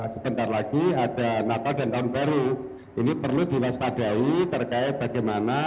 sebentar lagi ada natal dan tahun baru ini perlu diwaspadai terkait bagaimana